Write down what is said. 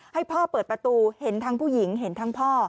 ให้พ่อเปิดประตูเห็นทั้งผู้หญิงเห็นทั้งพ่อ